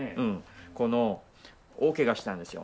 この大けがしたんですよ